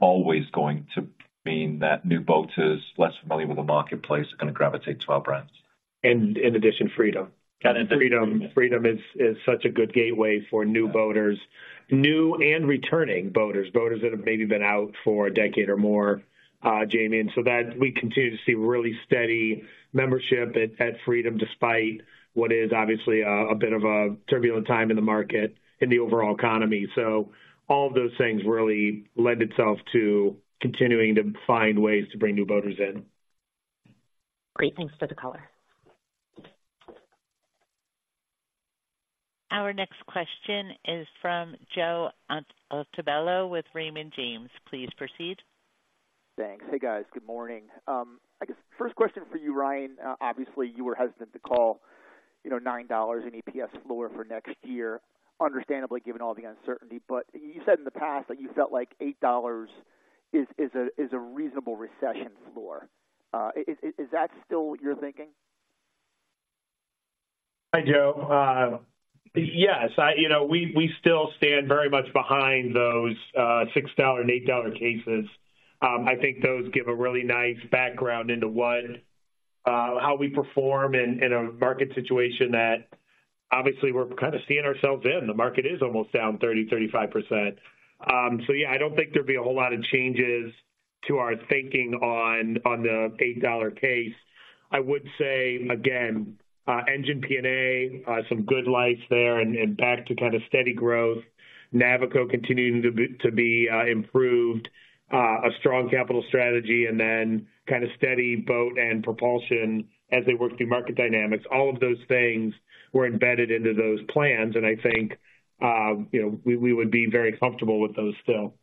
always going to mean that new boaters, less familiar with the marketplace, are going to gravitate to our brands. In addition, Freedom. In addition. Freedom is such a good gateway for new boaters, new and returning boaters, boaters that have maybe been out for a decade or more, Jamie. And so that we continue to see really steady membership at Freedom, despite what is obviously a bit of a turbulent time in the market, in the overall economy. So all of those things really lend itself to continuing to find ways to bring new boaters in. Great. Thanks for the color. Our next question is from Joe Altobello with Raymond James. Please proceed. Thanks. Hey, guys. Good morning. I guess first question for you, Ryan. Obviously, you were hesitant to call, you know, $9 in EPS lower for next year, understandably, given all the uncertainty. You said in the past that you felt like $8 is, is a, is a reasonable recession floor. Is, is, is that still your thinking? Hi, Joe. Yes, you know, we still stand very much behind those $6 and $8 cases. I think those give a really nice background into what, how we perform in a market situation that obviously we're kind of seeing ourselves in. The market is almost down 30%-35%. So yeah, I don't think there'd be a whole lot of changes to our thinking on the $8 case. I would say, again, Engine P&A, some good lights there and back to kind of steady growth. Navico continuing to be improved, a strong capital strategy and then kind of steady boat and propulsion as they work through market dynamics. All of those things were embedded into those plans, and I think, you know, we would be very comfortable with those still.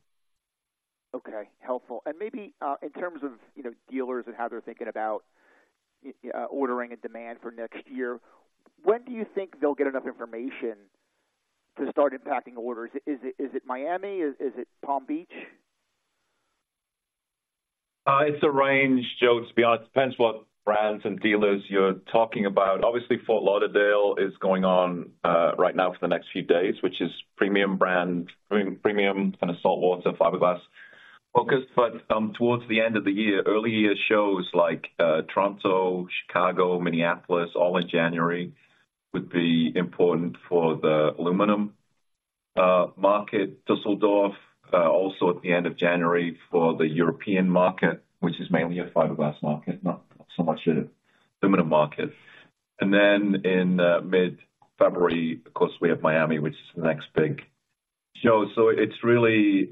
Okay, helpful. And maybe, in terms of, you know, dealers and how they're thinking about, ordering a demand for next year, when do you think they'll get enough information to start impacting orders? Is it Miami? Is it Palm Beach? It's a range, Joe, to be honest. It depends what brands and dealers you're talking about. Obviously, Fort Lauderdale is going on right now for the next few days, which is premium brand, premium kind of saltwater, fiberglass focus. But towards the end of the year, early year shows like Toronto, Chicago, Minneapolis, all in January, would be important for the aluminum market. Düsseldorf also at the end of January for the European market, which is mainly a fiberglass market, not so much a aluminum market. And then in mid-February, of course, we have Miami, which is the next big show. So it's really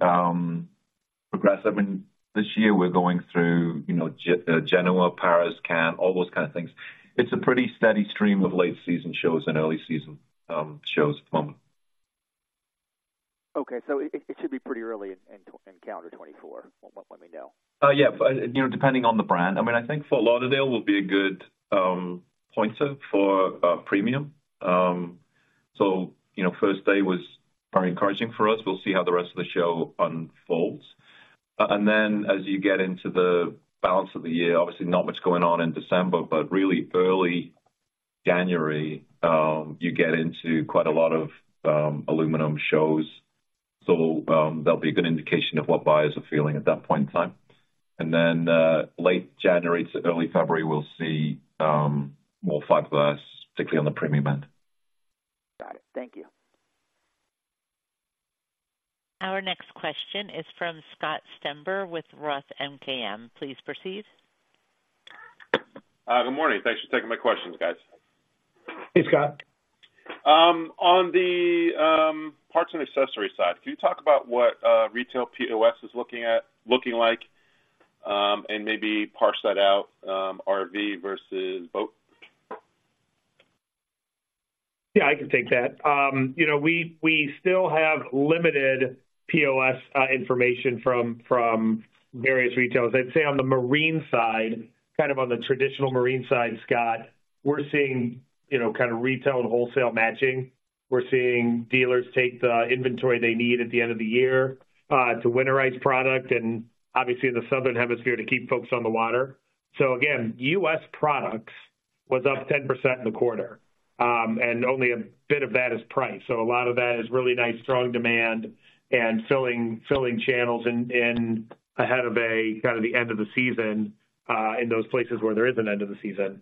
progressive. I mean, this year we're going through, you know, Genoa, Paris, Cannes, all those kind of things. It's a pretty steady stream of late season shows and early season shows at the moment. Okay, so it should be pretty early in calendar 2024, let me know. Yeah, but, you know, depending on the brand. I mean, I think Fort Lauderdale will be a good pointer for premium. So, you know, first day was very encouraging for us. We'll see how the rest of the show unfolds. And then as you get into the balance of the year, obviously not much going on in December, but really early January, you get into quite a lot of aluminum shows. So, that'll be a good indication of what buyers are feeling at that point in time. And then, late January to early February, we'll see more fiberglass, particularly on the premium end. Got it. Thank you. Our next question is from Scott Stember with Roth MKM. Please proceed. Good morning. Thanks for taking my questions, guys. Hey, Scott. On the parts and accessory side, can you talk about what retail POS is looking like, and maybe parse that out, RV versus boat? Yeah, I can take that. You know, we still have limited POS information from various retailers. I'd say on the marine side, kind of on the traditional marine side, Scott, we're seeing, you know, kind of retail and wholesale matching. We're seeing dealers take the inventory they need at the end of the year to winterize product and obviously in the Southern Hemisphere, to keep folks on the water. So again, U.S. products was up 10% in the quarter, and only a bit of that is price. So a lot of that is really nice, strong demand and filling channels in ahead of a kind of the end of the season in those places where there is an end of the season.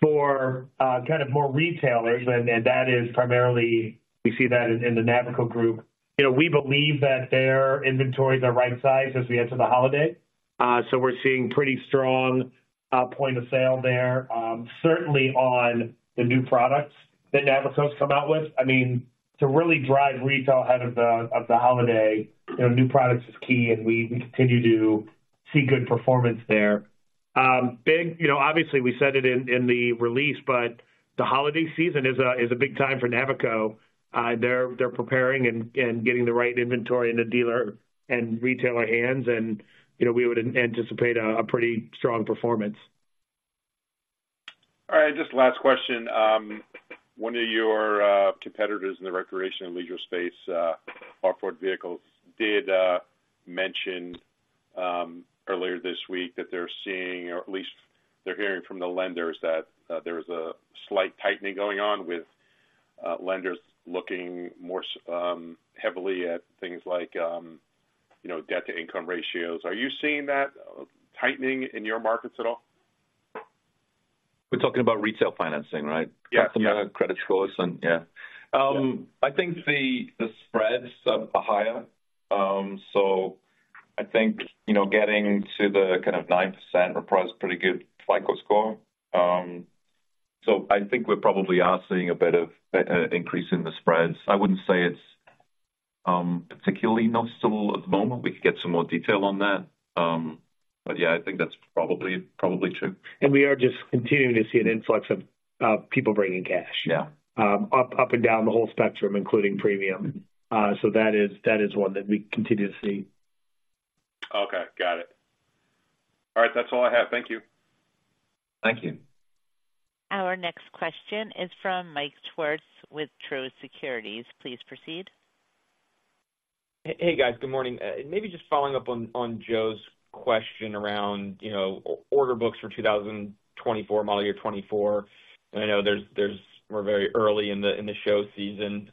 For kind of more retailers, and that is primarily, we see that in the Navico Group. You know, we believe that their inventories are right sized as we enter the holiday. So we're seeing pretty strong point of sale there, certainly on the new products that Navico's come out with. I mean, to really drive retail ahead of the holiday, you know, new products is key, and we continue to see good performance there. You know, obviously we said it in the release, but the holiday season is a big time for Navico. They're preparing and getting the right inventory in the dealer and retailer hands, and, you know, we would anticipate a pretty strong performance. All right, just last question. One of your competitors in the recreation and leisure space, off-road vehicles, did mention earlier this week that they're seeing, or at least they're hearing from the lenders, that there's a slight tightening going on with lenders looking more heavily at things like, you know, debt-to-income ratios. Are you seeing that tightening in your markets at all? We're talking about retail financing, right? Yeah. Customer credit scores and, yeah. I think the spreads are higher. So I think, you know, getting to the kind of 9% requires pretty good FICO score. So I think we probably are seeing a bit of increase in the spreads. I wouldn't say it's particularly noticeable at the moment. We could get some more detail on that. But yeah, I think that's probably true. We are just continuing to see an influx of people bringing cash. Yeah. Up and down the whole spectrum, including premium. So that is, that is one that we continue to see. Okay, got it. All right, that's all I have. Thank you. Thank you. Our next question is from Mike Swartz with Truist Securities. Please proceed. Hey, guys. Good morning. Maybe just following up on Joe's question around, you know, order books for 2024, model year 2024. And I know there's—we're very early in the show season.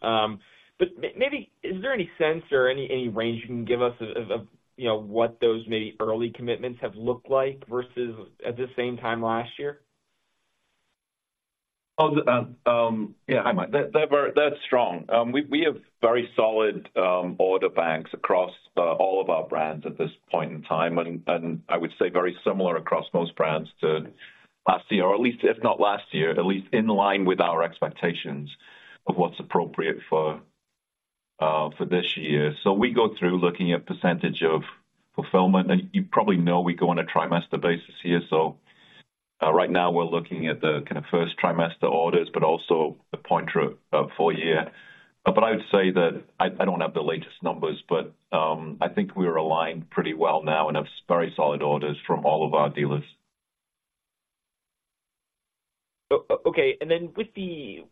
But maybe is there any sense or any range you can give us of, you know, what those maybe early commitments have looked like versus at the same time last year? Yeah. Hi, Mike. They're strong. We have very solid order banks across all of our brands at this point in time, and I would say very similar across most brands to last year, or at least, if not last year, at least in line with our expectations of what's appropriate for this year. So we go through looking at percentage of fulfillment. And you probably know we go on a trimester basis here. So, right now we're looking at the kind of first trimester orders, but also the point through of full year. But I would say that I don't have the latest numbers, but I think we're aligned pretty well now and have very solid orders from all of our dealers. Okay. And then with the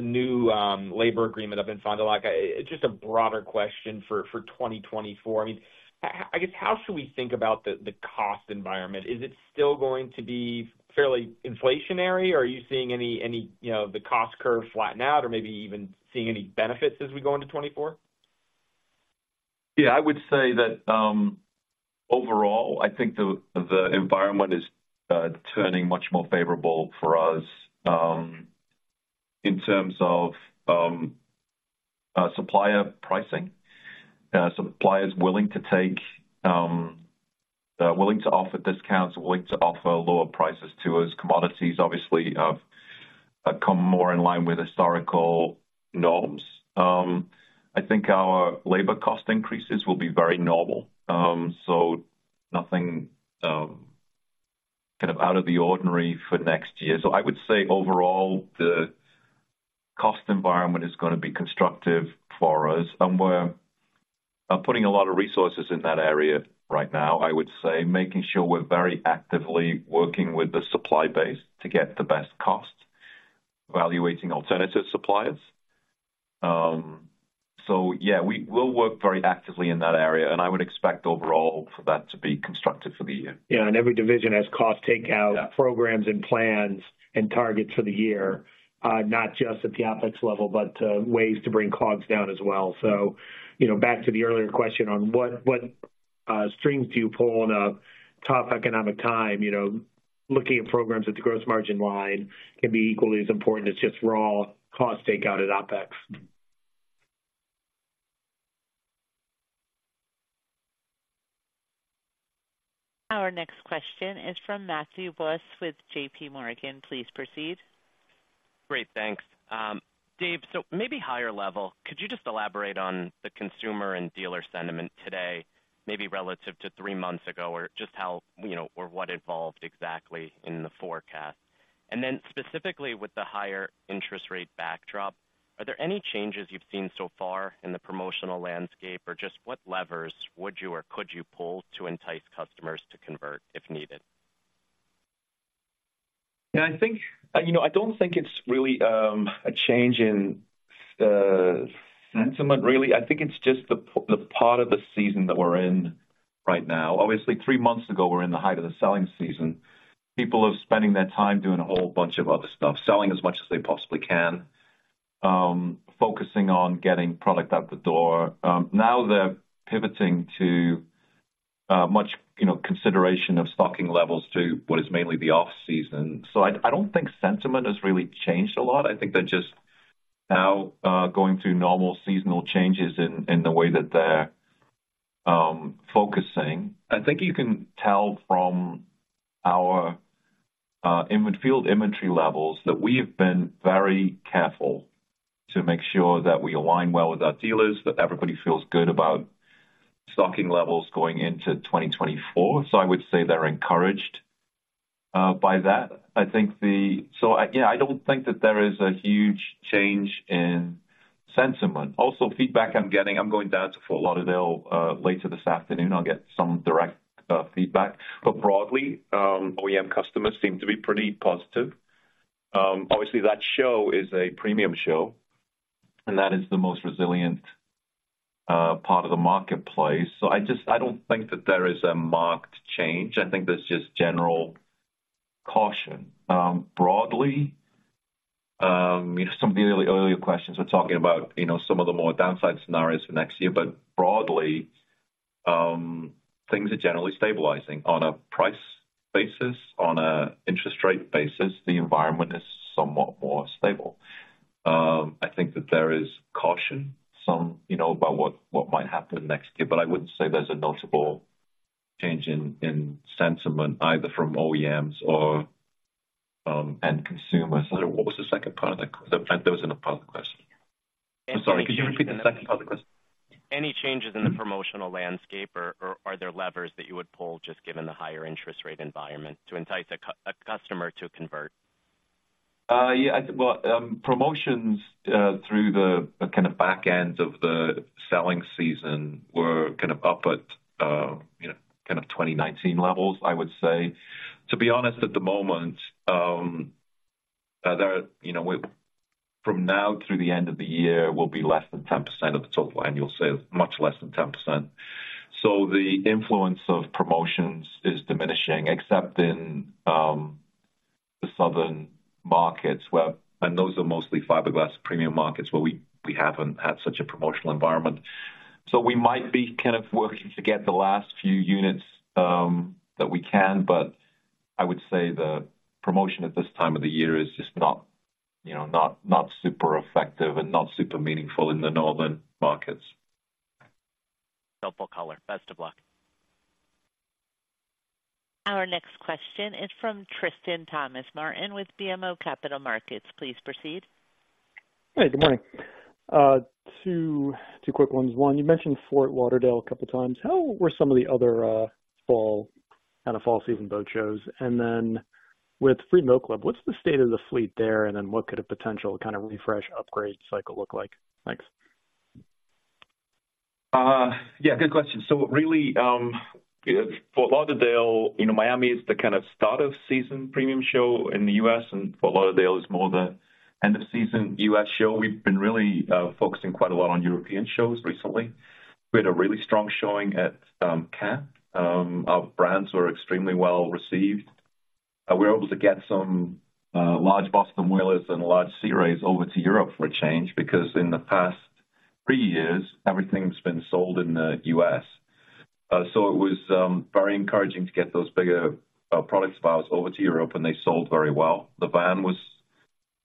new labor agreement up in Fond du Lac, it's just a broader question for 2024. I mean, how, I guess, how should we think about the cost environment? Is it still going to be fairly inflationary, or are you seeing any, you know, the cost curve flatten out or maybe even seeing any benefits as we go into 2024? Yeah, I would say that overall, I think the environment is turning much more favorable for us in terms of supplier pricing. Suppliers willing to offer discounts, willing to offer lower prices to us. Commodities obviously have come more in line with historical norms. I think our labor cost increases will be very normal. So nothing kind of out of the ordinary for next year. So I would say overall, the cost environment is gonna be constructive for us, and we're putting a lot of resources in that area right now. I would say, making sure we're very actively working with the supply base to get the best cost, evaluating alternative suppliers. So yeah, we will work very actively in that area, and I would expect overall for that to be constructive for the year. Yeah, and every division has cost takeout- Yeah - programs and plans and targets for the year, not just at the OpEx level, but, ways to bring COGS down as well. So, you know, back to the earlier question on what, what, strings do you pull in a tough economic time? You know, looking at programs at the gross margin line can be equally as important as just raw cost takeout at OpEx. Our next question is from Matthew Boss with JPMorgan. Please proceed. Great. Thanks. Dave, so maybe higher level, could you just elaborate on the consumer and dealer sentiment today, maybe relative to three months ago, or just how, you know, or what evolved exactly in the forecast? And then specifically with the higher interest rate backdrop, are there any changes you've seen so far in the promotional landscape, or just what levers would you or could you pull to entice customers to convert if needed? Yeah, I think, you know, I don't think it's really a change in sentiment, really. I think it's just the part of the season that we're in right now. Obviously, three months ago, we were in the height of the selling season. People are spending their time doing a whole bunch of other stuff, selling as much as they possibly can, focusing on getting product out the door. Now they're pivoting to much, you know, consideration of stocking levels to what is mainly the off-season. So I don't think sentiment has really changed a lot. I think they're just now going through normal seasonal changes in the way that they're focusing. I think you can tell from our in-field inventory levels, that we have been very careful to make sure that we align well with our dealers, that everybody feels good about stocking levels going into 2024. So I would say they're encouraged by that. I think the—So, yeah, I don't think that there is a huge change in sentiment. Also, feedback I'm getting, I'm going down to Fort Lauderdale later this afternoon. I'll get some direct feedback. But broadly, OEM customers seem to be pretty positive. Obviously, that show is a premium show, and that is the most resilient part of the marketplace. So I just—I don't think that there is a marked change. I think there's just general caution. Broadly, some of the earlier questions were talking about, you know, some of the more downside scenarios for next year, but broadly, things are generally stabilizing on a price basis, on a interest rate basis, the environment is somewhat more stable. I think that there is caution, some, you know, about what might happen next year, but I wouldn't say there's a notable change in sentiment either from OEMs or end consumers. What was the second part of the question? There was another part of the question. (crosstalk) I'm sorry, could you repeat the second part of the question? Any changes in the promotional landscape, or are there levers that you would pull, just given the higher interest rate environment, to entice a customer to convert? Yeah, well, promotions through the kind of back end of the selling season were kind of up at, you know, kind of 2019 levels, I would say. To be honest, at the moment, you know, from now through the end of the year, will be less than 10% of the total annual sales, much less than 10%. So the influence of promotions is diminishing, except in the southern markets, where... And those are mostly fiberglass premium markets, where we haven't had such a promotional environment. So we might be kind of working to get the last few units that we can, but I would say the promotion at this time of the year is just not, you know, not super effective and not super meaningful in the northern markets. Helpful color. Best of luck. Our next question is from Tristan Thomas-Martin with BMO Capital Markets. Please proceed. Hey, good morning. Two, two quick ones. One, you mentioned Fort Lauderdale a couple of times. How were some of the other fall, kind of, fall season boat shows? And then with Freedom Boat Club, what's the state of the fleet there? And then what could a potential kind of refresh upgrade cycle look like? Thanks. Yeah, good question. Really, you know, Miami is the kind of start of season premium show in the U.S., and Fort Lauderdale is more the end of season U.S. show. We've been really focusing quite a lot on European shows recently. We had a really strong showing at Cannes. Our brands were extremely well received. We were able to get some large Boston Whalers and large Sea Rays over to Europe for a change, because in the past three years, everything's been sold in the U.S. It was very encouraging to get those bigger product styles over to Europe, and they sold very well. The Navan was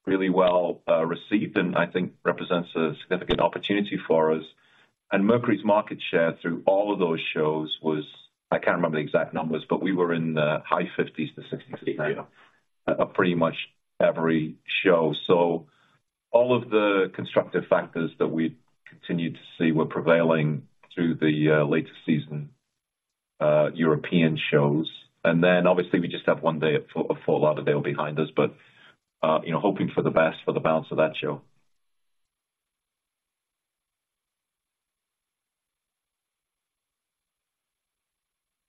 really well received and I think represents a significant opportunity for us. Mercury's market share through all of those shows was... I can't remember the exact numbers, but we were in the high 50s-60s, pretty much every show. So all of the constructive factors that we continued to see were prevailing through the later season European shows. And then obviously, we just have 1 day of Fort Lauderdale behind us, but you know, hoping for the best for the balance of that show.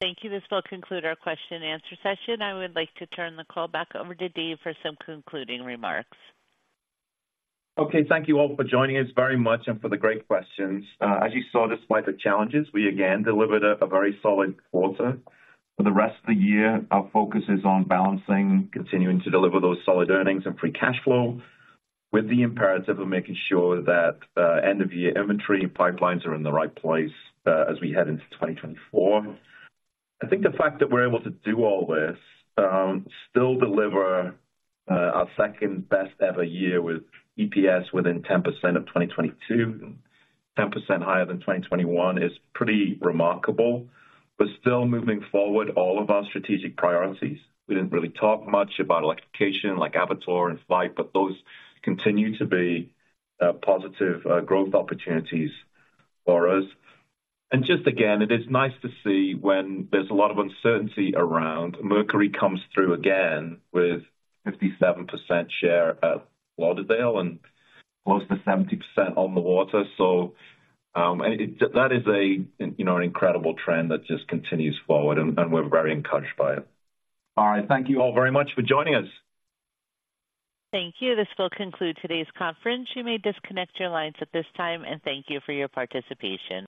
Thank you. This will conclude our question and answer session. I would like to turn the call back over to Dave for some concluding remarks. Okay, thank you all for joining us very much and for the great questions. As you saw, despite the challenges, we again delivered a very solid quarter. For the rest of the year, our focus is on balancing, continuing to deliver those solid earnings and free cash flow, with the imperative of making sure that end-of-year inventory and pipelines are in the right place, as we head into 2024. I think the fact that we're able to do all this, still deliver our second best ever year with EPS within 10% of 2022, and 10% higher than 2021, is pretty remarkable. But still moving forward all of our strategic priorities. We didn't really talk much about electrification, like Avator and Flite, but those continue to be positive growth opportunities for us. And just again, it is nice to see when there's a lot of uncertainty around, Mercury comes through again with 57% share at Lauderdale and close to 70% on the water. So, and that is a, you know, an incredible trend that just continues forward, and we're very encouraged by it. All right, thank you all very much for joining us. Thank you. This will conclude today's conference. You may disconnect your lines at this time, and thank you for your participation.